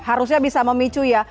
harusnya bisa memicu ya